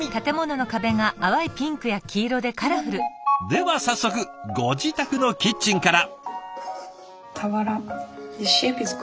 では早速ご自宅のキッチンから。